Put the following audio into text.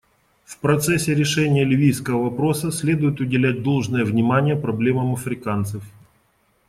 В процессе решения ливийского вопроса следует уделять должное внимание проблемам африканцев.